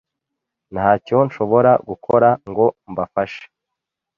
Ntacyo nshobora gukora ngo mbafashe.